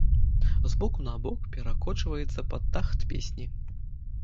З боку на бок перакочваецца пад тахт песні.